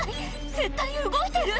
絶対動いてる！